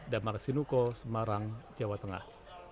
damar sinuko semarang jawa tengah